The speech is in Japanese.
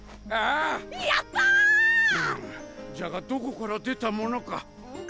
うんじゃがどこから出たものか。